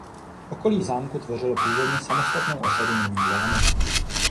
Okolí zámku tvořilo původně samostatnou osadu Nový Zámek.